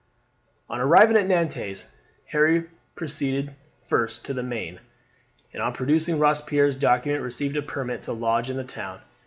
On arriving at Nantes Harry proceeded first to the Maine, and on producing Robespierre's document received a permit to lodge in the town.